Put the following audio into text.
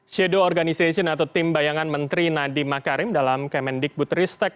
shadow organization atau tim bayangan menteri nadiem makarim dalam kemendikbud ristek